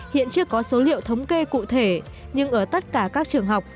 hiện chưa có số liệu thống kê cụ thể nhưng ở tất cả các trường học